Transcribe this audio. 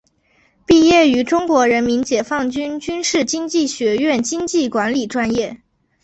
毕业于中国人民解放军军事经济学院经济管理专业。